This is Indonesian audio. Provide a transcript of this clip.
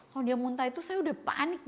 kalau dia muntah itu saya udah panik